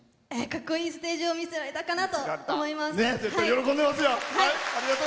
かっこいいステージを見せられたかなと思います。